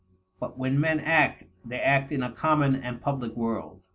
But when men act, they act in a common and public world.